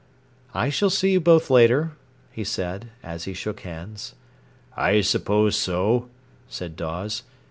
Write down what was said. "I shall see you both later," he said, as he shook hands. "I suppose so," said Dawes.